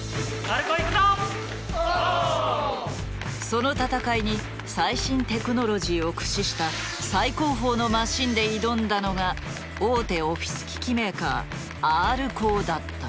その戦いに最新テクノロジーを駆使した最高峰のマシンで挑んだのが大手オフィス機器メーカーＲコーだった。